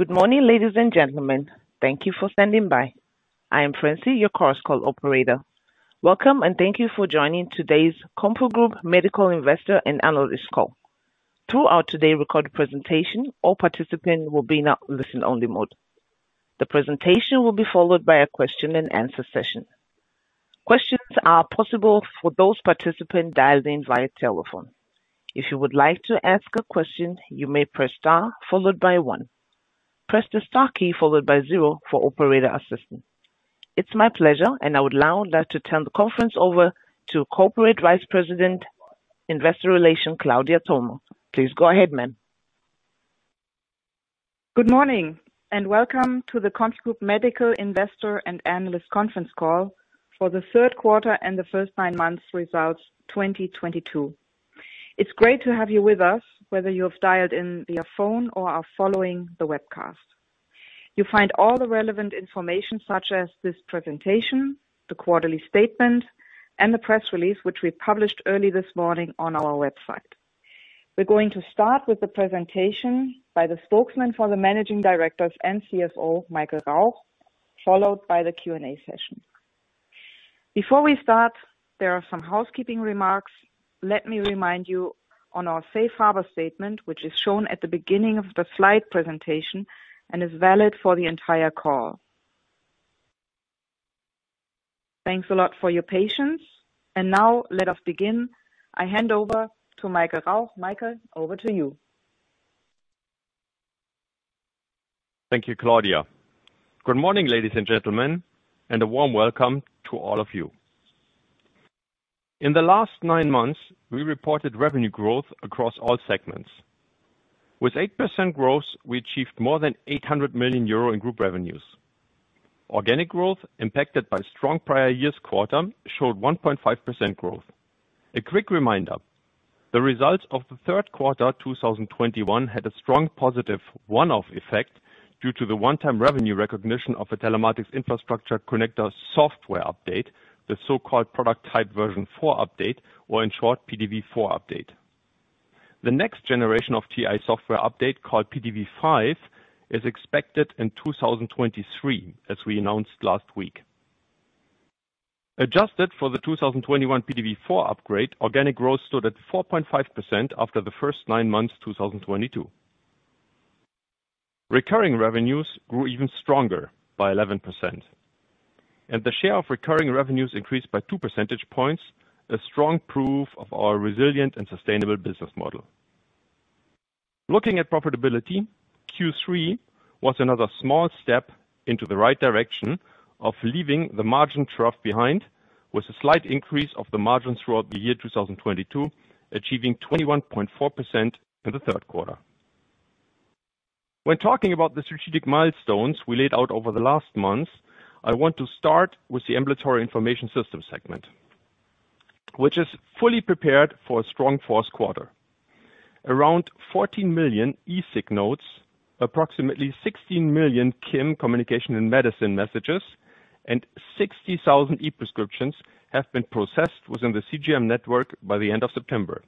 Good morning, ladies and gentlemen. Thank you for standing by. I am Francie, your cross call operator. Welcome, and thank you for joining today's CompuGroup Medical Investor and Analyst Call. Throughout today's recorded presentation, all participants will be in a listen-only mode. The presentation will be followed by a question-and-answer session. Questions are possible for those participants dialed in via telephone. If you would like to ask a question, you may press Star followed by one. Press the Star key followed by zero for operator assistance. It's my pleasure, and I would now like to turn the conference over to Senior Vice President, Investor Relations, Claudia Thomé. Please go ahead, ma'am. Good morning and welcome to the CompuGroup Medical Investor and Analyst Conference Call for the third quarter and the first nine months results 2022. It's great to have you with us, whether you have dialed in via phone or are following the webcast. You'll find all the relevant information, such as this presentation, the quarterly statement and the press release, which we published early this morning on our website. We're going to start with the presentation by the spokesman for the Managing Directors and CFO, Michael Rauch, followed by the Q&A session. Before we start, there are some housekeeping remarks. Let me remind you on our safe harbor statement, which is shown at the beginning of the slide presentation and is valid for the entire call. Thanks a lot for your patience. Now let us begin. I hand over to Michael Rauch. Michael, over to you. Thank you, Claudia. Good morning, ladies and gentlemen, and a warm welcome to all of you. In the last nine months, we reported revenue growth across all segments. With 8% growth, we achieved more than 800 million euro in group revenues. Organic growth impacted by strong prior year's quarter showed 1.5% growth. A quick reminder, the results of the third quarter 2021 had a strong positive one-off effect due to the one-time revenue recognition of a telematics infrastructure connector software update, the so-called product type version four update or in short, PTV 4 update. The next generation of TI software update, called PTV 5, is expected in 2023, as we announced last week. Adjusted for the 2021 PTV 4 upgrade, organic growth stood at 4.5% after the first nine months 2022. Recurring revenues grew even stronger by 11%, and the share of recurring revenues increased by 2 percentage points, a strong proof of our resilient and sustainable business model. Looking at profitability, Q3 was another small step into the right direction of leaving the margin trough behind, with a slight increase of the margins throughout the year 2022, achieving 21.4% in the third quarter. When talking about the strategic milestones we laid out over the last months, I want to start with the Ambulatory Information System segment, which is fully prepared for a strong fourth quarter. Around 14 million eSig nodes, approximately 16 million KIM messages, and 60,000 e-prescriptions have been processed within the CGM network by the end of September,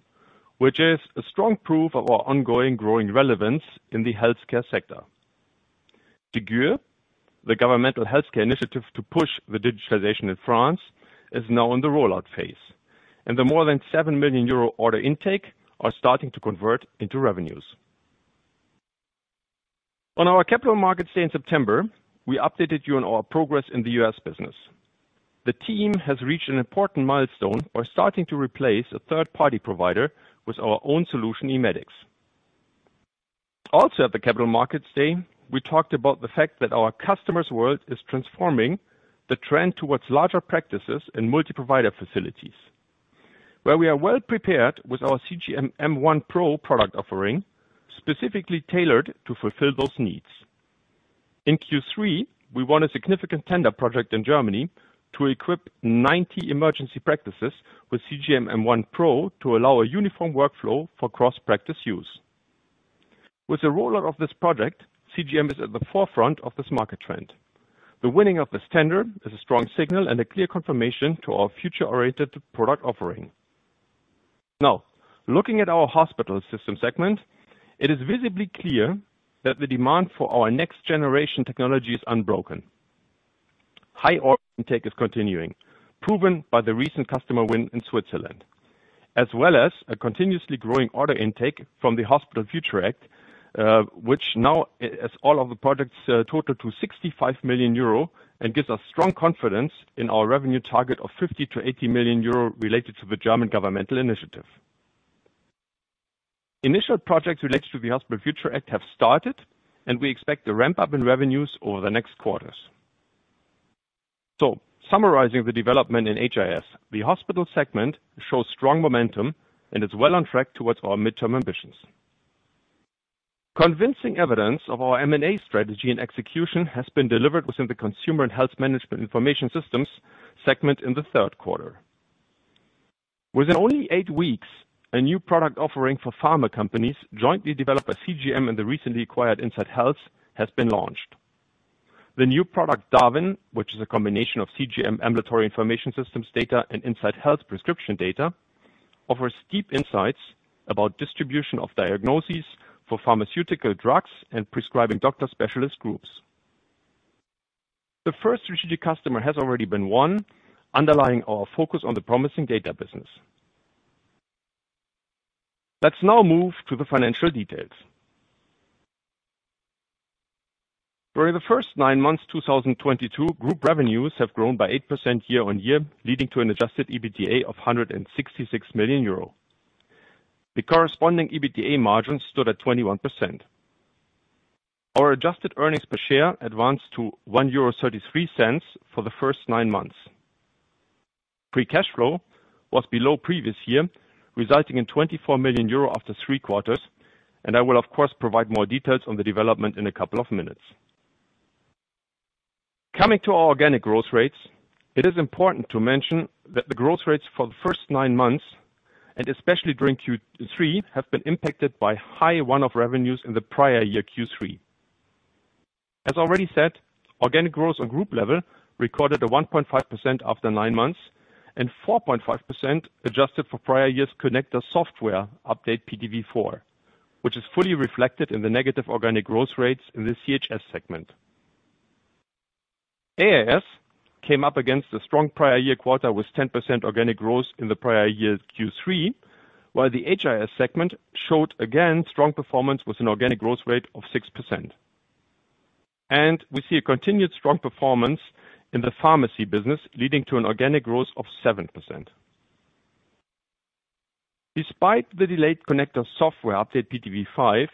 which is a strong proof of our ongoing growing relevance in the healthcare sector. Ségur de la Santé, the governmental healthcare initiative to push the digitalization in France, is now in the rollout phase, and the more than 7 million euro order intake are starting to convert into revenues. On our Capital Markets Day in September, we updated you on our progress in the U.S. business. The team has reached an important milestone by starting to replace a third-party provider with our own solution, eMEDIX. Also at the Capital Markets Day, we talked about the fact that our customer's world is transforming the trend towards larger practices and multi-provider facilities, where we are well prepared with our CGM M1 PRO product offering, specifically tailored to fulfill those needs. In Q3, we won a significant tender project in Germany to equip 90 emergency practices with CGM M1 PRO to allow a uniform workflow for cross-practice use. With the rollout of this project, CGM is at the forefront of this market trend. The winning of this tender is a strong signal and a clear confirmation to our future-oriented product offering. Now, looking at our hospital system segment, it is visibly clear that the demand for our next-generation technology is unbroken. High order intake is continuing, proven by the recent customer win in Switzerland, as well as a continuously growing order intake from the Hospital Future Act, which now, as all of the products total to 65 million euro and gives us strong confidence in our revenue target of 50 million-80 million euro related to the German governmental initiative. Initial projects related to the Hospital Future Act have started, and we expect a ramp-up in revenues over the next quarters. Summarizing the development in HIS, the hospital segment shows strong momentum, and it's well on track towards our midterm ambitions. Convincing evidence of our M&A strategy and execution has been delivered within the consumer and health management information systems segment in the third quarter. Within only 8 weeks, a new product offering for pharma companies jointly developed by CGM and the recently acquired INSIGHT Health has been launched. The new product, DARWIN, which is a combination of CGM Ambulatory Information Systems data and INSIGHT Health prescription data, offers deep insights about distribution of diagnoses for pharmaceutical drugs and prescribing doctor specialist groups. The first strategic customer has already been won, underlying our focus on the promising data business. Let's now move to the financial details. During the first 9 months of 2022, group revenues have grown by 8% year-on-year, leading to an adjusted EBITDA of 166 million euro. The corresponding EBITDA margin stood at 21%. Our adjusted earnings per share advanced to 1.33 euro for the first 9 months. Free cash flow was below previous year, resulting in 24 million euro after 3 quarters. I will, of course, provide more details on the development in a couple of minutes. Coming to our organic growth rates, it is important to mention that the growth rates for the first nine months, and especially during Q3, have been impacted by high one-off revenues in the prior year Q3. As already said, organic growth on group level recorded a 1.5% after nine months and 4.5% adjusted for prior years connector software update PTV 4, which is fully reflected in the negative organic growth rates in the CHS segment. AIS came up against a strong prior year quarter with 10% organic growth in the prior year Q3, while the HIS segment showed again strong performance with an organic growth rate of 6%. We see a continued strong performance in the pharmacy business, leading to an organic growth of 7%. Despite the delayed Connector software update PTV 5,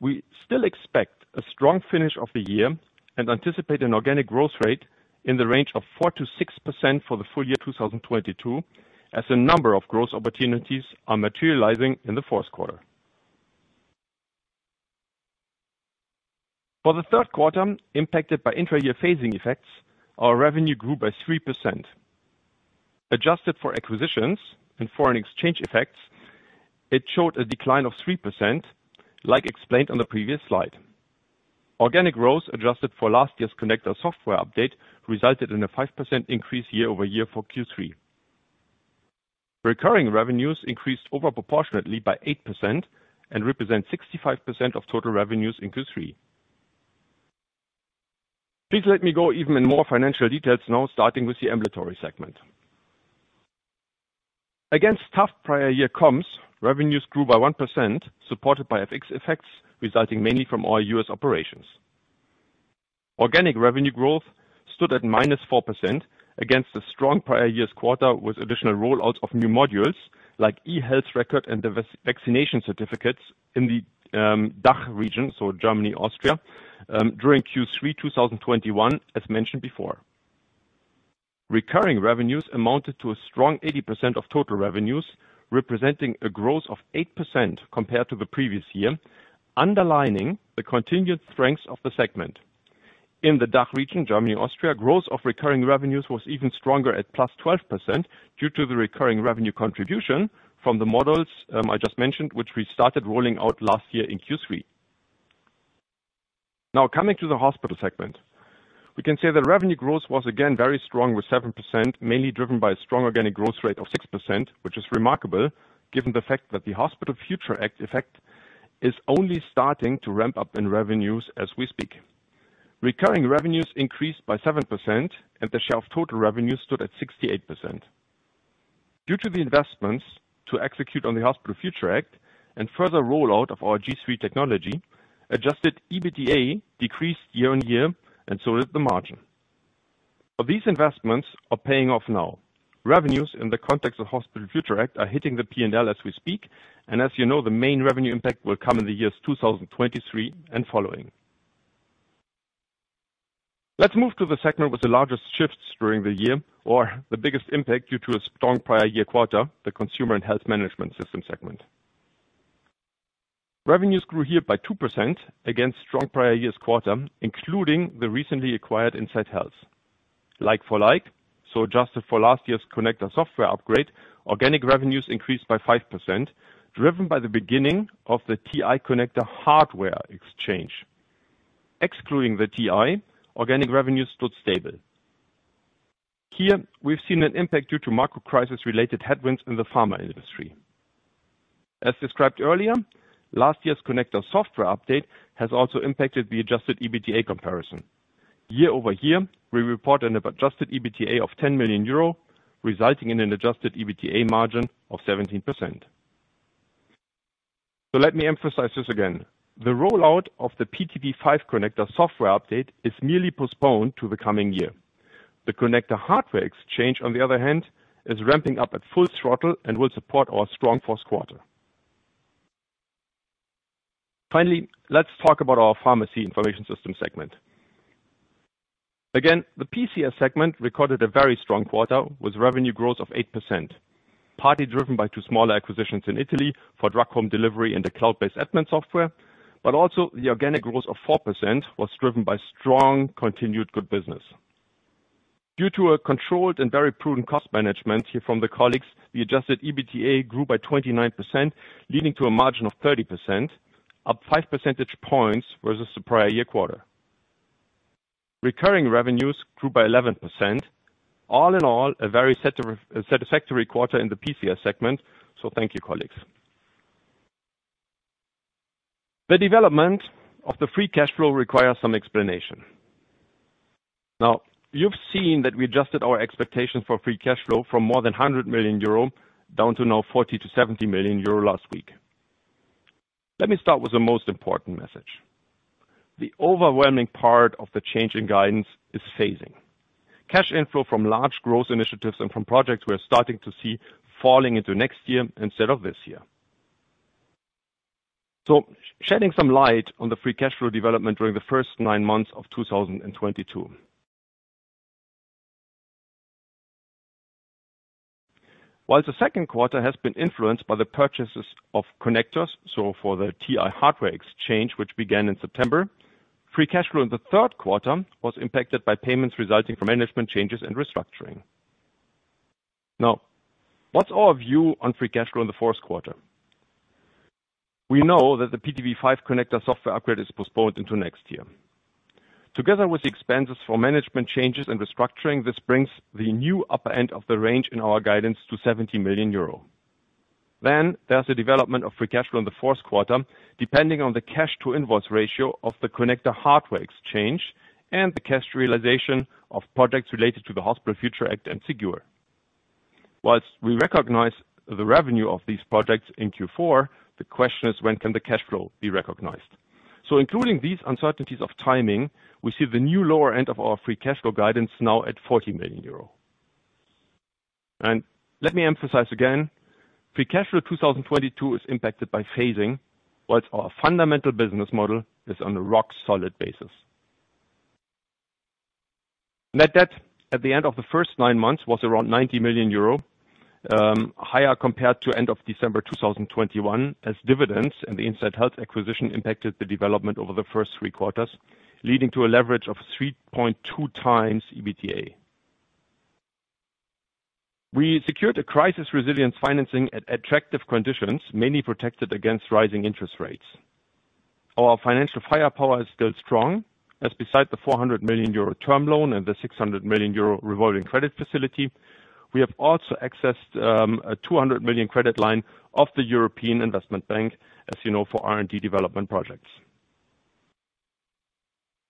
we still expect a strong finish of the year and anticipate an organic growth rate in the range of 4%-6% for the full year 2022, as a number of growth opportunities are materializing in the fourth quarter. For the third quarter, impacted by intra-year phasing effects, our revenue grew by 3%. Adjusted for acquisitions and foreign exchange effects, it showed a decline of 3%, like explained on the previous slide. Organic growth adjusted for last year's Connector software update resulted in a 5% increase year-over-year for Q3. Recurring revenues increased over proportionately by 8% and represent 65% of total revenues in Q3. Please let me go even in more financial details now, starting with the Ambulatory segment. Against tough prior year comps, revenues grew by 1%, supported by FX effects, resulting mainly from our US operations. Organic revenue growth stood at -4% against the strong prior year's quarter, with additional rollouts of new modules like eHealth Record and the vaccination certificates in the DACH region, so Germany, Austria, during Q3 2021, as mentioned before. Recurring revenues amounted to a strong 80% of total revenues, representing a growth of 8% compared to the previous year, underlining the continued strength of the segment. In the DACH region, Germany, Austria, growth of recurring revenues was even stronger at +12% due to the recurring revenue contribution from the modules I just mentioned, which we started rolling out last year in Q3. Now coming to the Hospital segment. We can say that revenue growth was again very strong with 7%, mainly driven by a strong organic growth rate of 6%, which is remarkable given the fact that the Hospital Future Act effect is only starting to ramp up in revenues as we speak. Recurring revenues increased by 7% and the share of total revenue stood at 68%. Due to the investments to execute on the Hospital Future Act and further rollout of our G3 technology, adjusted EBITDA decreased year-on-year and so did the margin. These investments are paying off now. Revenues in the context of Hospital Future Act are hitting the P&L as we speak and as you know, the main revenue impact will come in the years 2023 and following. Let's move to the segment with the largest shifts during the year or the biggest impact due to a strong prior-year quarter, the Consumer and Health Management Systems segment. Revenues grew here by 2% against strong prior-year's quarter, including the recently acquired INSIGHT Health. Like for like, so adjusted for last year's Connector software upgrade, organic revenues increased by 5%, driven by the beginning of the TI Connector hardware exchange. Excluding the TI, organic revenues stood stable. Here we've seen an impact due to macro crisis related headwinds in the pharma industry. As described earlier, last year's Connector software update has also impacted the adjusted EBITDA comparison. Year-over-year, we report an adjusted EBITDA of 10 million euro, resulting in an adjusted EBITDA margin of 17%. Let me emphasize this again. The rollout of the PTV 5 Connector software update is merely postponed to the coming year. The Connector hardware exchange, on the other hand, is ramping up at full throttle and will support our strong fourth quarter. Finally, let's talk about our Pharmacy Information System segment. Again, the PCS segment recorded a very strong quarter with revenue growth of 8%, partly driven by two smaller acquisitions in Italy for drug home delivery and the cloud-based admin software. Also the organic growth of 4% was driven by strong, continued good business. Due to a controlled and very prudent cost management here from the colleagues, the adjusted EBITDA grew by 29%, leading to a margin of 30%, up five percentage points versus the prior year quarter. Recurring revenues grew by 11%. All in all, a very satisfactory quarter in the PCS segment. Thank you, colleagues. The development of the free cash flow requires some explanation. Now, you've seen that we adjusted our expectations for free cash flow from more than 100 million euro down to now 40- 70 million euro last week. Let me start with the most important message. The overwhelming part of the change in guidance is phasing. Cash inflow from large growth initiatives and from projects we are starting to see falling into next year instead of this year. Shedding some light on the free cash flow development during the first nine months of 2022. While the second quarter has been influenced by the purchases of connectors, so for the TI hardware exchange, which began in September, free cash flow in the third quarter was impacted by payments resulting from management changes and restructuring. Now, what's our view on free cash flow in the fourth quarter? We know that the PTV five connector software upgrade is postponed into next year. Together with the expenses for management changes and restructuring, this brings the new upper end of the range in our guidance to 70 million euro. There's the development of free cash flow in the fourth quarter, depending on the cash to invoice ratio of the connector hardware exchange and the cash realization of projects related to the Hospital Future Act and Ségur. While we recognize the revenue of these projects in Q4, the question is when can the cash flow be recognized? Including these uncertainties of timing, we see the new lower end of our free cash flow guidance now at 40 million euro. Let me emphasize again, free cash flow 2022 is impacted by phasing, while our fundamental business model is on a rock solid basis. Net debt at the end of the first nine months was around 90 million euro, higher compared to end of December 2021, as dividends and the INSIGHT Health acquisition impacted the development over the first three quarters, leading to a leverage of 3.2 times EBITDA. We secured a crisis resilience financing at attractive conditions, mainly protected against rising interest rates. Our financial firepower is still strong, as beside the 400 million euro term loan and the 600 million euro revolving credit facility, we have also accessed a 200 million credit line of the European Investment Bank, as you know, for R&D development projects.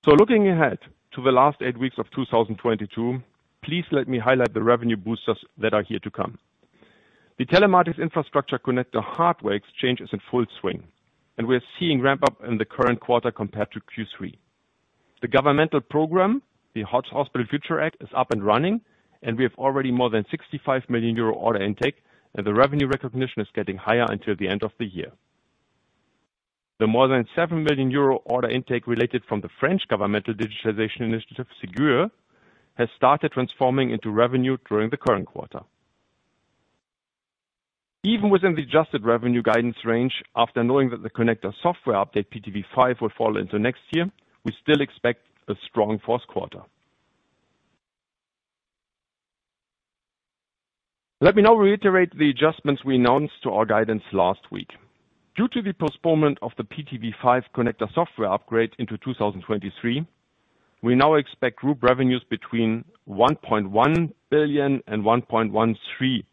Looking ahead to the last eight weeks of 2022, please let me highlight the revenue boosters that are here to come. The telematics infrastructure connector hardware exchange is in full swing, and we're seeing ramp up in the current quarter compared to Q3. The governmental program, the Hospital Future Act, is up and running, and we have already more than 65 million euro order intake, and the revenue recognition is getting higher until the end of the year. The more than 7 million euro order intake related from the French governmental digitization initiative, Ségur, has started transforming into revenue during the current quarter. Even within the adjusted revenue guidance range, after knowing that the connector software update, PTV 5, will fall into next year, we still expect a strong fourth quarter. Let me now reiterate the adjustments we announced to our guidance last week. Due to the postponement of the PTV 5 connector software upgrade into 2023, we now expect group revenues between 1.1 billion and 1.13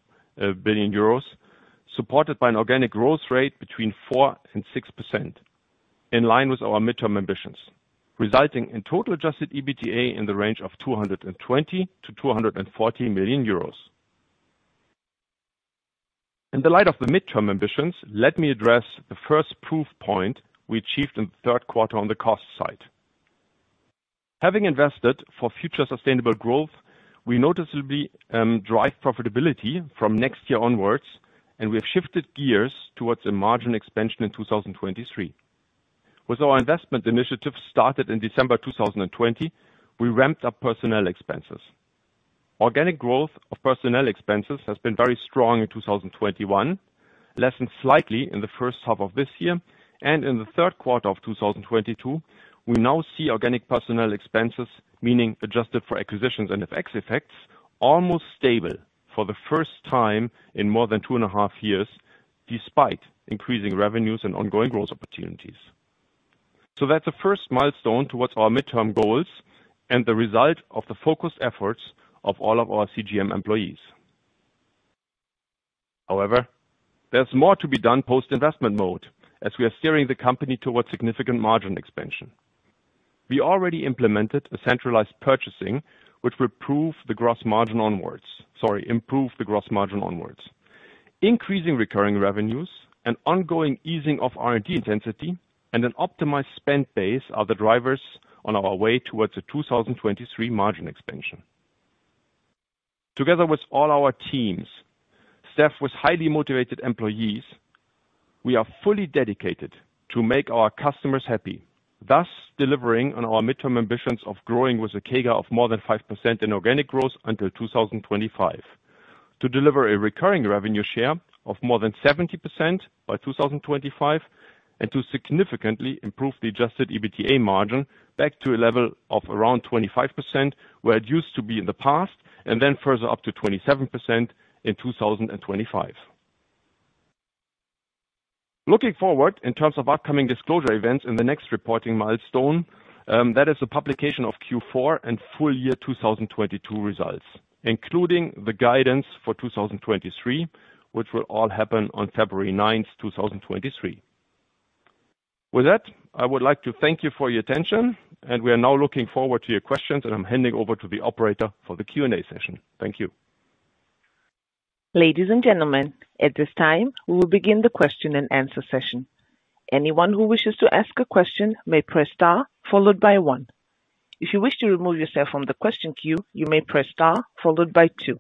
billion euros, supported by an organic growth rate between 4% and 6%, in line with our midterm ambitions, resulting in total adjusted EBITDA in the range of 220 million to 240 million euros. In the light of the midterm ambitions, let me address the first proof point we achieved in the third quarter on the cost side. Having invested for future sustainable growth, we noticeably drive profitability from next year onwards, and we have shifted gears towards a margin expansion in 2023. With our investment initiative started in December 2020, we ramped up personnel expenses. Organic growth of personnel expenses has been very strong in 2021, lessened slightly in the first half of this year. In the third quarter of 2022, we now see organic personnel expenses, meaning adjusted for acquisitions and FX effects, almost stable for the first time in more than two and a half years, despite increasing revenues and ongoing growth opportunities. That's the first milestone towards our midterm goals and the result of the focused efforts of all of our CGM employees. However, there's more to be done post-investment mode as we are steering the company towards significant margin expansion. We already implemented a centralized purchasing, which will improve the gross margin onwards. Increasing recurring revenues, an ongoing easing of R&D intensity, and an optimized spend base are the drivers on our way towards the 2023 margin expansion. Together with all our teams, staffed with highly motivated employees, we are fully dedicated to make our customers happy, thus delivering on our midterm ambitions of growing with a CAGR of more than 5% in organic growth until 2025. To deliver a recurring revenue share of more than 70% by 2025, and to significantly improve the adjusted EBITDA margin back to a level of around 25%, where it used to be in the past, and then further up to 27% in 2025. Looking forward in terms of upcoming disclosure events in the next reporting milestone, that is the publication of Q4 and full year 2022 results, including the guidance for 2023, which will all happen on February 9, 2023. With that, I would like to thank you for your attention, and we are now looking forward to your questions, and I'm handing over to the operator for the Q&A session. Thank you. Ladies and gentlemen, at this time, we will begin the question and answer session. Anyone who wishes to ask a question may press star followed by one. If you wish to remove yourself from the question queue, you may press star followed by two.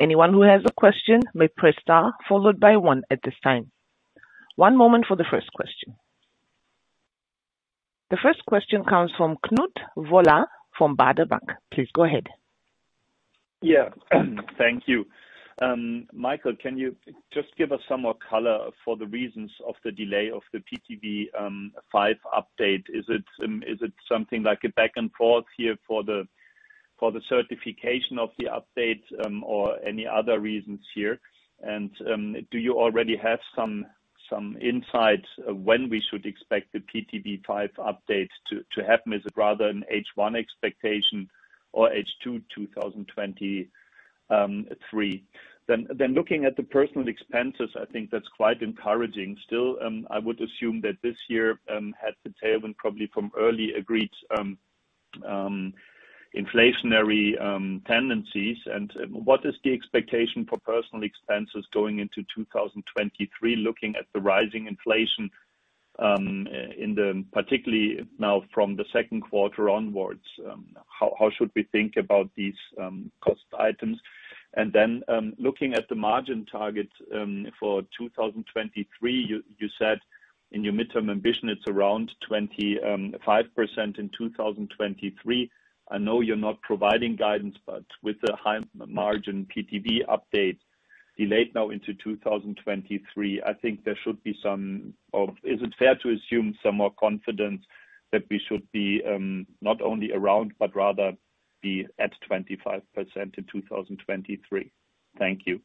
Anyone who has a question may press star followed by one at this time. One moment for the first question. The first question comes from Knut Woller from Baader Bank. Please go ahead. Yeah. Thank you. Michael, can you just give us some more color for the reasons of the delay of the PTV 5 update? Is it something like a back and forth here for the certification of the update, or any other reasons here? Do you already have some insights when we should expect the PTV 5 update to happen? Is it rather an H1 expectation or H2 2023? Looking at the personnel expenses, I think that's quite encouraging still. I would assume that this year had the tailwind probably from already agreed inflationary tendencies. What is the expectation for personal expenses going into 2023, looking at the rising inflation, particularly now from the second quarter onwards, how should we think about these cost items? Then, looking at the margin target for 2023, you said in your midterm ambition, it's around 25% in 2023. I know you're not providing guidance, but with the high margin PTV update delayed now into 2023, I think there should be some. Or is it fair to assume some more confidence that we should be, not only around, but rather be at 25% in 2023? Thank you.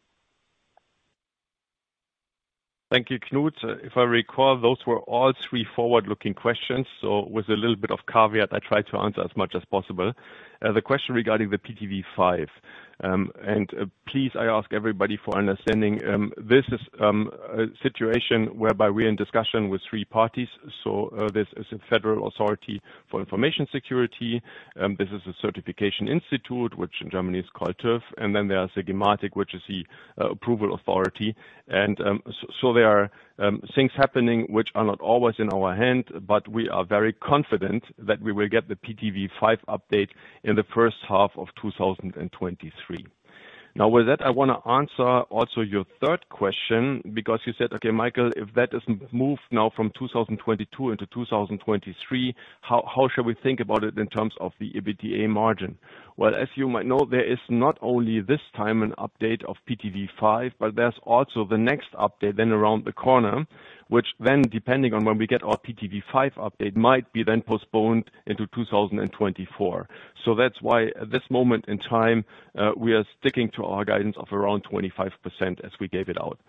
Thank you, Knut. If I recall, those were all three forward-looking questions. With a little bit of caveat, I tried to answer as much as possible. The question regarding the PTV 5, and please, I ask everybody for understanding, this is a situation whereby we're in discussion with three parties. This is a federal authority for information security. This is a certification institute which in Germany is called TÜV, and then there is gematik, which is the approval authority. So there are things happening which are not always in our hand, but we are very confident that we will get the PTV 5 update in the first half of 2023. Now, with that, I wanna answer also your third question because you said, "Okay, Michael, if that is moved now from 2022 into 2023, how should we think about it in terms of the EBITDA margin?" Well, as you might know, there is not only this time an update of PTV 5, but there's also the next update then around the corner, which then depending on when we get our PTV 5 update, might be then postponed into 2024. That's why at this moment in time, we are sticking to our guidance of around 25% as we gave it out.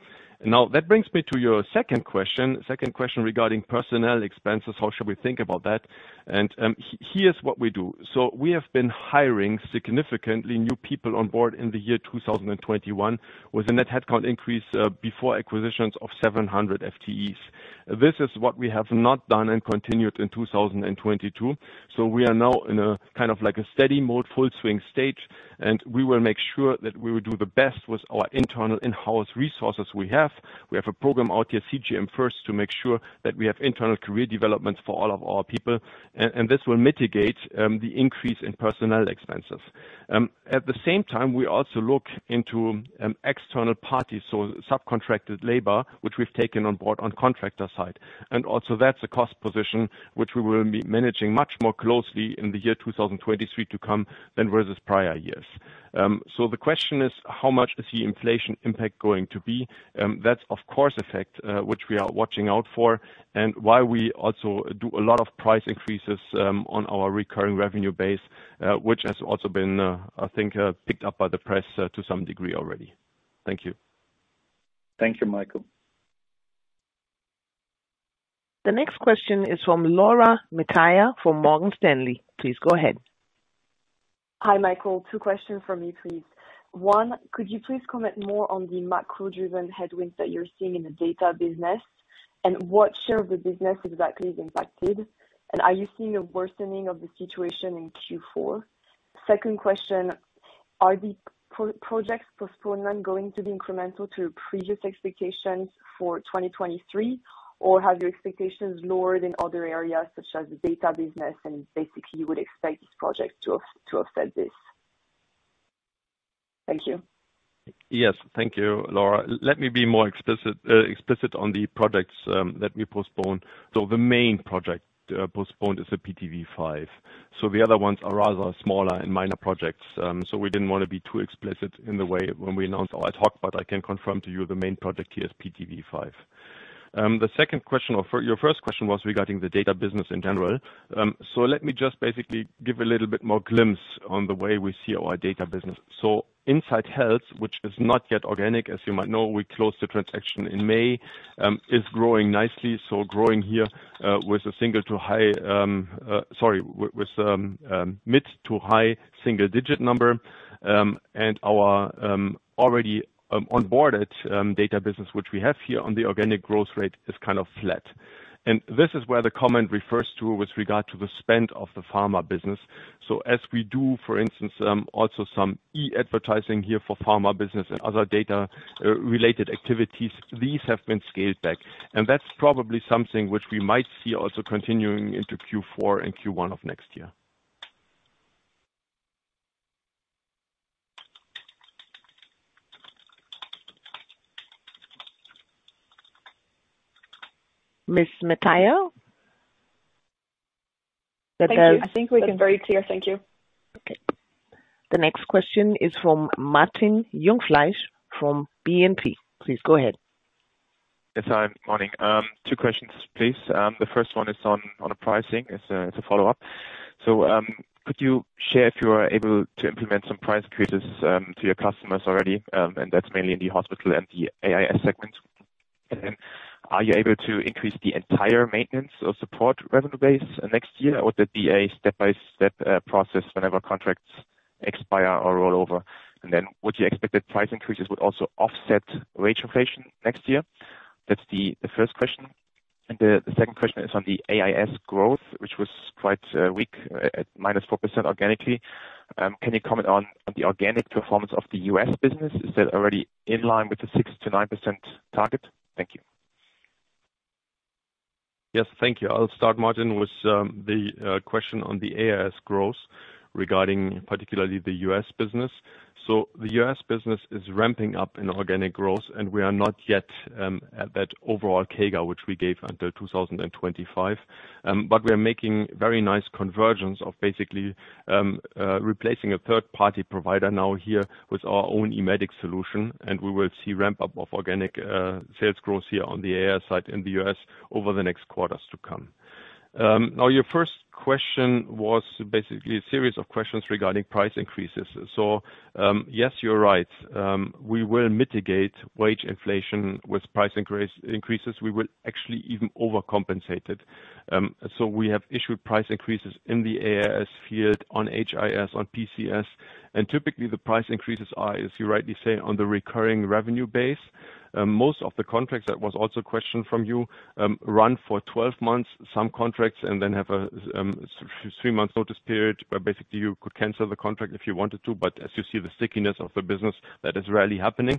Now, that brings me to your second question. Second question regarding personnel expenses, how should we think about that? Here's what we do. We have been hiring significantly new people on board in the year 2021, with a net headcount increase before acquisitions of 700 FTEs. This is what we have done and continued in 2022. We are now in a kind of like a steady mode, full swing stage, and we will make sure that we will do the best with our internal in-house resources we have. We have a program out here, CGM First, to make sure that we have internal career developments for all of our people. And this will mitigate the increase in personnel expenses. At the same time, we also look into external parties, so subcontracted labor, which we've taken on board on contractor side. That's a cost position which we will be managing much more closely in the year 2023 to come than versus prior years. The question is how much is the inflation impact going to be? That's of course an effect which we are watching out for and why we also do a lot of price increases on our recurring revenue base, which has also been, I think, picked up by the press to some degree already. Thank you. Thank you, Michael. The next question is from Laura Metayer, from Morgan Stanley. Please go ahead. Hi, Michael. Two questions from me, please. One, could you please comment more on the macro-driven headwinds that you're seeing in the data business, and what share of the business exactly is impacted? Are you seeing a worsening of the situation in Q4? Second question, are the project postponements going to be incremental to your previous expectations for 2023? Have your expectations lowered in other areas such as the data business, and basically you would expect this project to offset this? Thank you. Yes. Thank you, Laura. Let me be more explicit on the projects that we postponed. The main project postponed is the PTV five. The other ones are rather smaller and minor projects. We didn't wanna be too explicit in the way when we announced or I talked, but I can confirm to you the main project here is PTV five. The second question or your first question was regarding the data business in general. Let me just basically give a little bit more glimpse on the way we see our data business. INSIGHT Health, which is not yet organic, as you might know, we closed the transaction in May, is growing nicely. Growing here with mid- to high-single-digit number. Our already onboarded data business which we have here on the organic growth rate is kind of flat. This is where the comment refers to with regard to the spend of the pharma business. As we do, for instance, also some e-advertising here for pharma business and other data related activities, these have been scaled back. That's probably something which we might see also continuing into Q4 and Q1 of next year. Ms. Metayer? Thank you. I think we can break here. Thank you. Okay. The next question is from Martin Jungfleisch from BNP. Please go ahead. Yes, hi. Morning. Two questions, please. The first one is on pricing. It's a follow-up. Could you share if you are able to implement some price increases to your customers already, and that's mainly in the hospital and the AIS segment? Are you able to increase the entire maintenance of support revenue base next year, or would that be a step-by-step process whenever contracts expire or roll over? Would you expect that price increases would also offset wage inflation next year? That's the first question. The second question is on the AIS growth, which was quite weak at -4% organically. Can you comment on the organic performance of the US business? Is that already in line with the 6%-9% target? Thank you. Yes. Thank you. I'll start, Martin, with the question on the AIS growth regarding particularly the U.S. business. The U.S. business is ramping up in organic growth, and we are not yet at that overall CAGR which we gave until 2025. But we are making very nice convergence of basically replacing a third-party provider now here with our own eMEDIX solution, and we will see ramp up of organic sales growth here on the AIS side in the U.S. over the next quarters to come. Now your first question was basically a series of questions regarding price increases. Yes, you're right. We will mitigate wage inflation with price increases. We will actually even overcompensate it. We have issued price increases in the AIS field on HIS, on PCS, and typically the price increases are, as you rightly say, on the recurring revenue base. Most of the contracts, that was also a question from you, run for 12 months, some contracts and then have three months notice period, but basically you could cancel the contract if you wanted to. As you see, the stickiness of the business, that is rarely happening.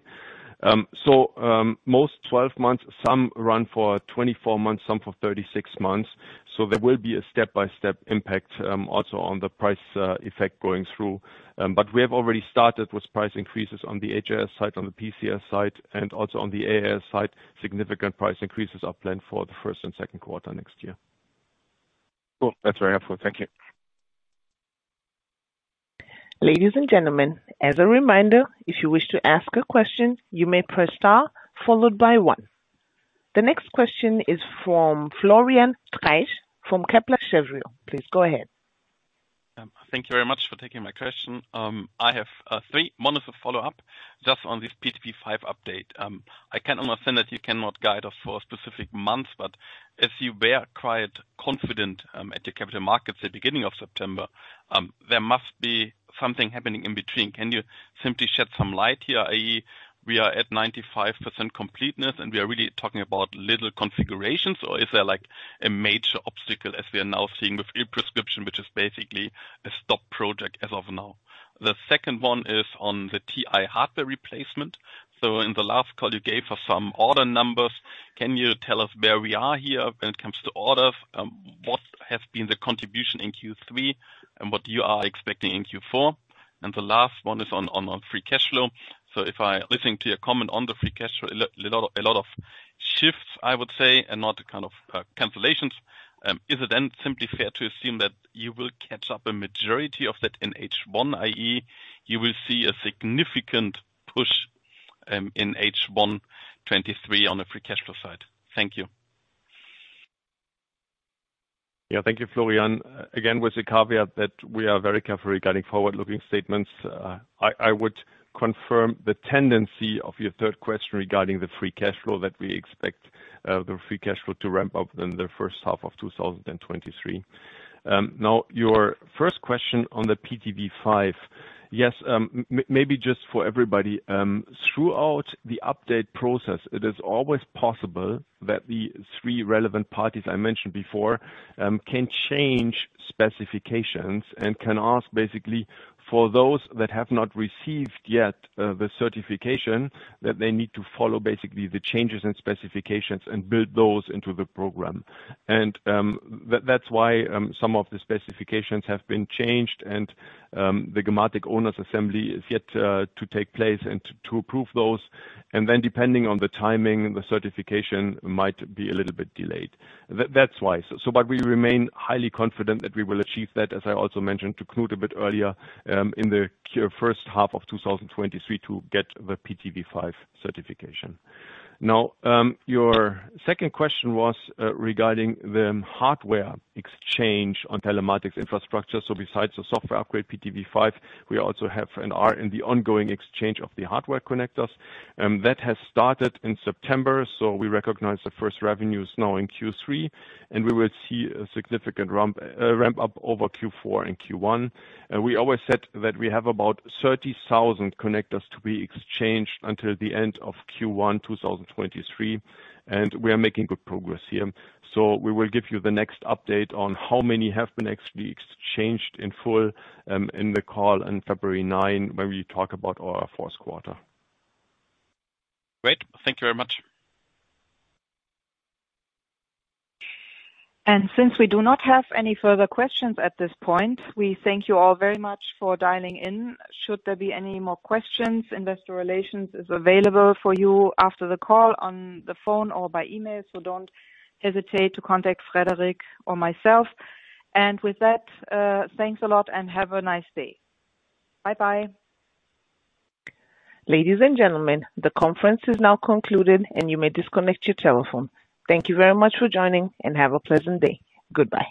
Most 12 months, some run for 24 months, some for 36 months. There will be a step-by-step impact, also on the price effect going through. We have already started with price increases on the HIS side, on the PCS side, and also on the AIS side, significant price increases are planned for the first and second quarter next year. Cool. That's very helpful. Thank you. Ladies and gentlemen, as a reminder, if you wish to ask a question, you may press star followed by one. The next question is from Florian Treisch from Kepler Cheuvreux. Please go ahead. Thank you very much for taking my question. I have three. One is a follow-up just on this PTV 5 update. I can understand that you cannot guide us for specific months, but if you were quite confident at the Capital Markets Day at the beginning of September, there must be something happening in between. Can you simply shed some light here, i.e. we are at 95% completeness, and we are really talking about little configurations? Or is there like a major obstacle as we are now seeing with e-prescription, which is basically a stop project as of now? The second one is on the TI hardware replacement. In the last call you gave us some order numbers. Can you tell us where we are here when it comes to orders? What has been the contribution in Q3 and what you are expecting in Q4? The last one is on free cash flow. If I listen to your comment on the free cash flow, a lot of shifts, I would say, and not kind of cancellations. Is it then simply fair to assume that you will catch up a majority of that in H1, i.e. you will see a significant push in H1 2023 on the free cash flow side? Thank you. Yeah. Thank you, Florian. Again, with the caveat that we are very careful regarding forward-looking statements, I would confirm the tendency of your third question regarding the free cash flow that we expect, the free cash flow to ramp up in the first half of 2023. Now your first question on the PTV 5. Yes, maybe just for everybody, throughout the update process, it is always possible that the three relevant parties I mentioned before can change specifications and can ask basically for those that have not received yet the certification that they need to follow basically the changes in specifications and build those into the program. That's why some of the specifications have been changed and the gematik Gesellschafterversammlung is yet to take place and to approve those. Depending on the timing, the certification might be a little bit delayed. That's why. But we remain highly confident that we will achieve that, as I also mentioned to Knut a bit earlier, in the first half of 2023 to get the PTV 5 certification. Now, your second question was regarding the hardware exchange on telematics infrastructure. Besides the software upgrade PTV 5, we also have and are in the ongoing exchange of the hardware connectors that has started in September, so we recognize the first revenues now in Q3, and we will see a significant ramp up over Q4 and Q1. We always said that we have about 30,000 connectors to be exchanged until the end of Q1 2023, and we are making good progress here. We will give you the next update on how many have been actually exchanged in full, in the call on February nine when we talk about our fourth quarter. Great. Thank you very much. Since we do not have any further questions at this point, we thank you all very much for dialing in. Should there be any more questions, investor relations is available for you after the call on the phone or by email, so don't hesitate to contact Frederic or myself. With that, thanks a lot and have a nice day. Bye-bye. Ladies and gentlemen, the conference is now concluded, and you may disconnect your telephone. Thank you very much for joining, and have a pleasant day. Goodbye.